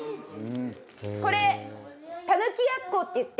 これたぬきやっこっていって。